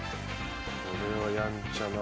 これはやんちゃな。